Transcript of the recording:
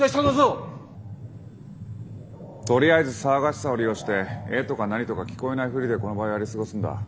とりあえず騒がしさを利用して「え？」とか「何？」とか聞こえないふりでこの場はやり過ごすんだ。